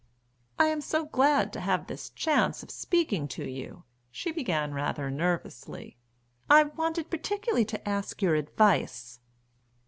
"I am so glad to have this chance of speaking to you," she began rather nervously. "I wanted particularly to ask your advice."